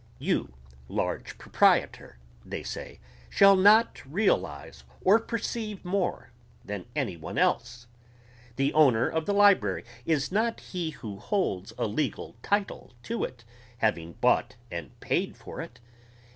You large proprietor, they say, shall not realize or perceive more than any one else. The owner of the library is not he who holds a legal title to it having bought and paid for it.